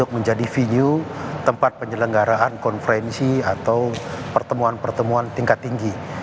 menjadi venue tempat penyelenggaraan konferensi atau pertemuan pertemuan tingkat tinggi